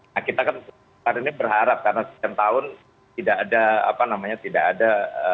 nah kita kan ini berharap karena sekian tahun tidak ada apa namanya tidak ada